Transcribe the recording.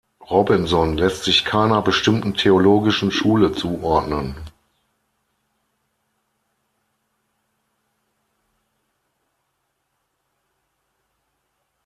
Robinson lässt sich keiner bestimmten theologischen Schule zuordnen.